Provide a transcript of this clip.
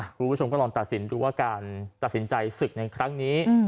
คุณผู้ชมก็ลองตัดสินดูว่าการตัดสินใจศึกในครั้งนี้